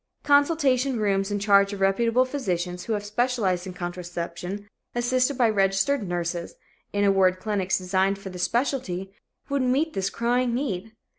Consultation rooms in charge of reputable physicians who have specialized in contraception, assisted by registered nurses in a word, clinics designed for this specialty, would meet this crying need.